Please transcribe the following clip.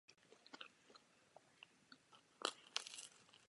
Narodil se neznámo kdy.